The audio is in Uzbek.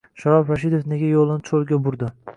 Sharof Rashidov nega yo‘lini cho‘lga burdi?